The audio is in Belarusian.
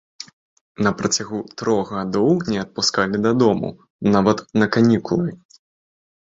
На працягу трох гадоў не адпускалі дадому, нават на канікулы.